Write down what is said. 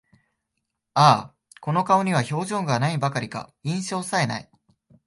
ああ、この顔には表情が無いばかりか、印象さえ無い